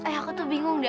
eh aku tuh bingung deh